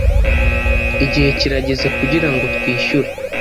Igihe kirageze kugirango twishyure